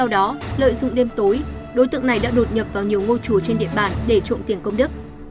đối tượng này đã đột nhập vào nhiều ngôi chùa trên địa bàn để trộm tiền công đức